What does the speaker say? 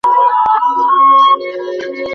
তুমি রাহুল তাই না?